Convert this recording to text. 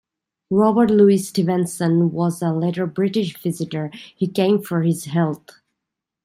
Robert Louis Stevenson was a later British visitor who came for his health.